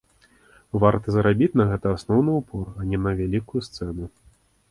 Варта зрабіць на гэта асноўны упор, а не на вялікую сцэну.